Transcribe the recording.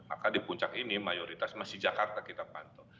maka di puncak ini mayoritas masih jakarta kita pantau